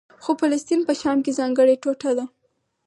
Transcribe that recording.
خو فلسطین په شام کې ځانګړې ټوټه ده.